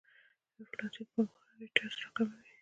انفلاسیون پانګونه ريټرنز راکموي.